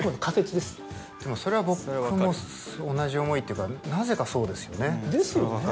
でもそれは僕も同じ思いというかなぜかそうですよね。ですよね？